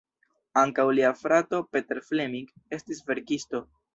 Ankaŭ lia frato Peter Fleming estis verkisto.